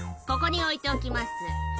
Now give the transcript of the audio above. ここに置いておきます」